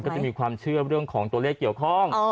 จะมีความเชื่อเรื่องของตัวเลขเกี่ยวข้อง